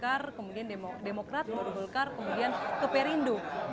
dari pbb kemudian bulkar kemudian demokrat kemudian perindo